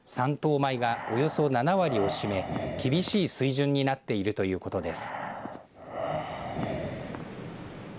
米がおよそ７割を占め厳しい水準になっているということです。